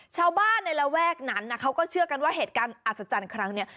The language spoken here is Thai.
ชาวบ้านในระแวกนั้นเขาก็เชื่อกันว่าเหตุการณ์อัศจรรย์ครั้งนี้